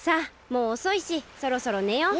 もうおそいしそろそろねよう。